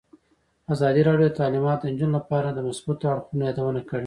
ازادي راډیو د تعلیمات د نجونو لپاره د مثبتو اړخونو یادونه کړې.